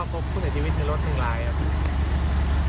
พบผู้เสียชีวิตในรถ๑ลายครับ